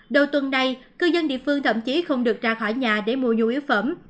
đầu tuần này cư dân địa phương thậm chí không được ra khỏi nhà để mua du yếu phẩm